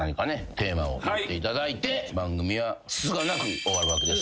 テーマを言っていただいて番組はつつがなく終わるわけです。